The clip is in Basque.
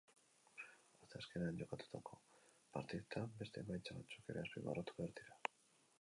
Asteazkenean jokatutako partidetan beste emaitza batzuk ere azpimarratu behar dira.